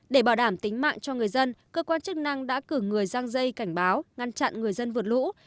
để bảo đảm tính mạng cho người dân cơ quan chức năng đã cử người răng dây cảnh báo ngăn chặn người dân vượt lũ